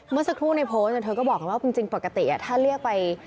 เมื่อสักครู่ในโพสต์เธอก็บอกว่าจริงปกติถ้าเรียกไป